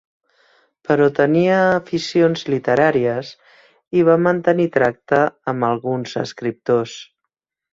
Però tenia aficions literàries i va mantenir tracte amb alguns escriptors.